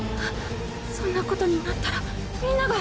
そんなことになったらみんなが。